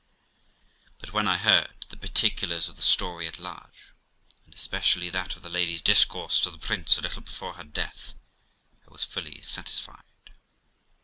But when I heard the particulars of the story at large, and especially that of the lady's discourse to the prince a little before her death, I was fully satisfied.